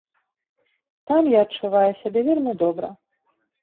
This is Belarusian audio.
Там я адчуваю сябе вельмі добра.